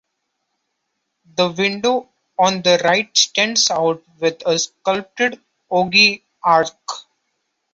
The window on the right stands out, with a sculpted ogee arch.